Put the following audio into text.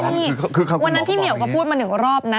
วันนั้นพี่เหมียวก็พูดมาหนึ่งรอบนะ